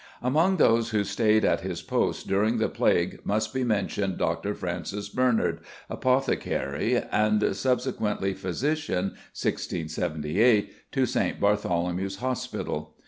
Among those who stayed at his post during the plague must be mentioned Dr. Francis Bernard, apothecary, and subsequently physician (1678) to St. Bartholomew's Hospital.